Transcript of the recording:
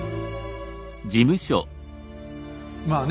まあね